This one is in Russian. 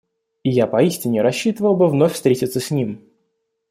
И я поистине рассчитывал бы вновь встретиться с ним.